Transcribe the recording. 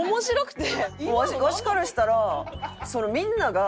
わしからしたら。